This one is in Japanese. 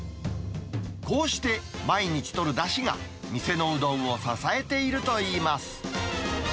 こうして毎日とるだしが、店のうどんを支えているといいます。